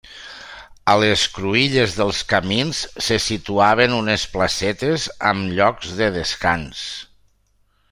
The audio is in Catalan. A les cruïlles dels camins se situaven unes placetes amb llocs de descans.